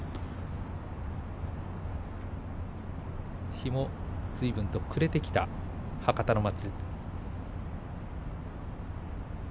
日もずいぶんと暮れてきた博多の街。